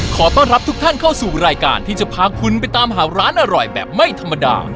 ขอต้อนรับทุกท่านเข้าสู่รายการที่จะพาคุณไปตามหาร้านอร่อยแบบไม่ธรรมดา